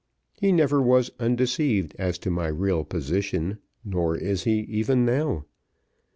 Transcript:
He never was undeceived as to my real position, nor is he even now.